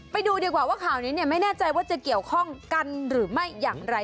ไปดูดีกว่าว่าข่าวนี้ไม่แน่ใจว่าจะเกี่ยวข้องกันหรือไม่อย่างไร